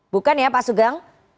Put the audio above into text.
bukan ya pak sugang